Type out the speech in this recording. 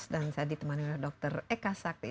dan saya ditemani oleh dr eka sakti